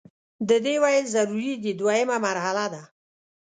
د دې ویل ضروري دي دوهمه مرحله ده.